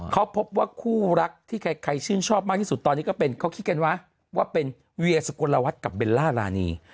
เขาพบว่าคู่รักที่ใครชื่นชอบมากที่สุดตอนนี้ก็เป็นเขาคิดกันวะว่าเป็นเวียสุกลวัฒน์กับเบลล่ารานี